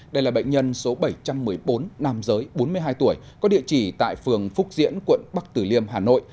đây là bệnh nhân số bảy trăm một mươi bốn nam giới bốn mươi hai tuổi có địa chỉ tại phường phúc diễn quận bắc tử liêm hà nội